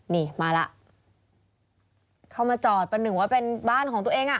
นี่มาแล้วเข้ามาจอดประหนึ่งว่าเป็นบ้านของตัวเองอ่ะ